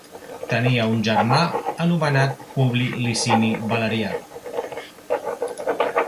Tenia un germà anomenat Publi Licini Valerià.